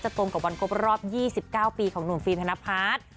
ตรงกับวันครบรอบ๒๙ปีของหนุ่มฟิล์มธนพัฒน์